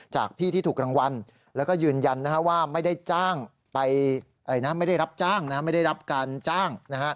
จากพี่ที่ถูกรางวัลแล้วก็ยืนยันว่าไม่ได้รับการจ้าง